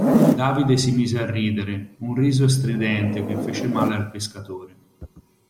Davide si mise a ridere, un riso stridente che fece male al pescatore.